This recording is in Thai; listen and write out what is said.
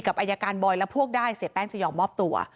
อายการบอยและพวกได้เสียแป้งจะยอมมอบตัว